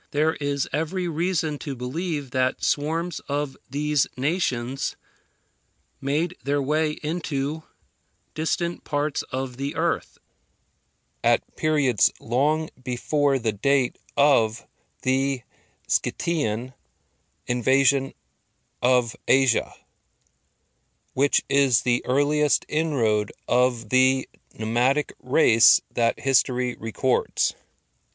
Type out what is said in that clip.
There is every reason to believe that swarms of these nations made their way into distant parts of the earth, at periods long before the date of the Scythian invasion of Asia, which is the earliest inroad of the nomadic race that history records.